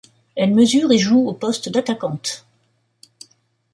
Elle mesure et joue au poste d’attaquante.